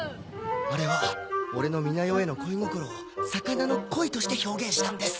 あれはオレの美奈代への恋心を魚の鯉として表現したんです。